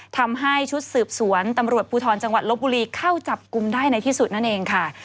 ทำให้ชุดสืบสวนตำรวจภูทรจังหวัดลบบุรีเข้าจับกลุ่มได้ในที่สุดนั่นเองค่ะ